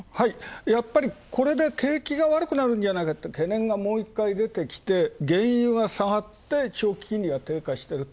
やっぱり、これで景気が悪くなるんじゃないかっていう懸念がもう一回出てきて、原油が下がって、長期金利が低下してると。